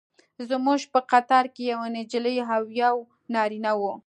زموږ په قطار کې یوه نجلۍ او یو نارینه و.